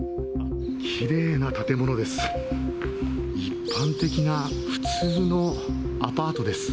きれいな建物です。